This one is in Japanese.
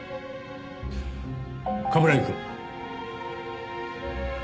冠城くん！